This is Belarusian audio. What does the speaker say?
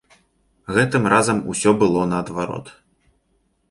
Гэтым разам усё было наадварот.